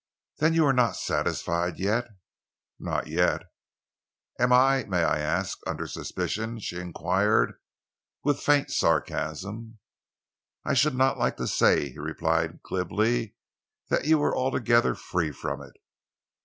"Then you are not satisfied yet?" "Not yet." "Am I, may I ask, under suspicion?" she enquired, with faint sarcasm. "I should not like to say," he replied glibly, "that you were altogether free from it."